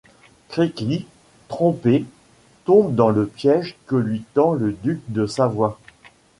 Créqui, trompé, tombe dans le piège que lui tend le duc de Savoie.